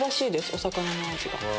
お魚の味が。